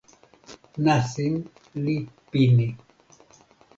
nasin li pini.